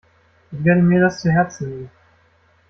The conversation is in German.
Ich werde mir das zu Herzen nehmen.